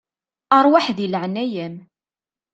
Ṛwaḥ di leƐnaya-m.